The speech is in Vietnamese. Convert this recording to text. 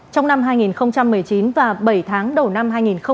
trong năm hai nghìn một mươi chín và bảy tháng đầu năm hai nghìn hai mươi